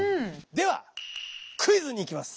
ではクイズにいきます。